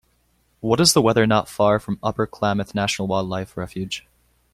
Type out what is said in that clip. What is the weather not far from Upper Klamath National Wildlife Refuge?